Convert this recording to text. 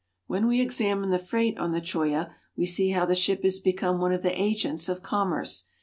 When we examine the freight on the CJioya we see how the ship has become one of the agents of commerce.